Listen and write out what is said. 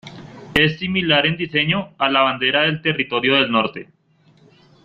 Es similar en diseño a la bandera del Territorio del Norte.